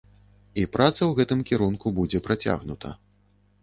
І праца ў гэтым кірунку будзе працягнута.